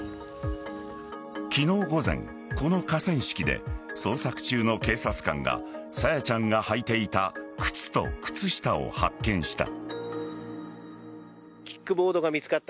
昨日午前この河川敷で捜索中の警察官が朝芽ちゃんがはいていた靴と靴下を発見した。